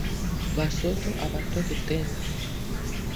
Ba soso abatoke tena